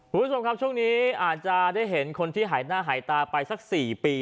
คุณผู้ชมครับช่วงนี้อาจจะได้เห็นคนที่หายหน้าหายตาไปสัก๔ปี